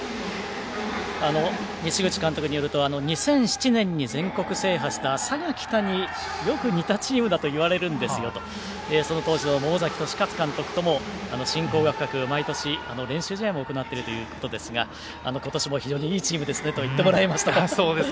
西口監督によると２００７年に全国制覇した佐賀北によく似たチームだと言われるんですがそのときの監督とも親交が深く毎年、練習試合も行っているということですが今年も非常にいいチームですねと言ってもらえましたと。